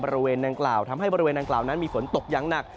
บริเวณดังกล่าวทำให้บริเวณดังกล่าวนั้นมีฝนตกอย่างหนัก